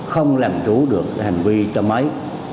không làm đủ được hành vi cho máy